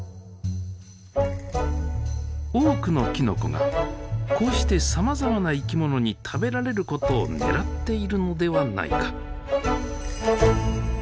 多くのきのこがこうしてさまざまな生きものに食べられることをねらっているのではないか。